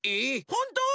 ほんと？